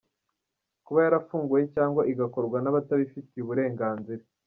Kuba yarafunguwe cyangwa igakorwa n’abatabifitiye uburenganzira.